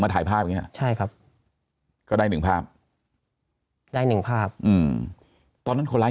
ถ่ายภาพอย่างนี้ใช่ครับก็ได้หนึ่งภาพได้หนึ่งภาพอืมตอนนั้นคนร้าย